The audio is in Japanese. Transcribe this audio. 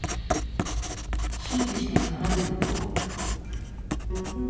修理して奏でると。